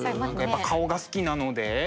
やっぱ顔が好きなので。